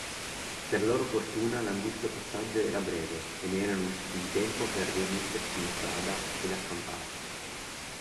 Per loro fortuna, l’angusto passaggio era breve e ne erano usciti in tempo per rimettersi in strada ed accamparsi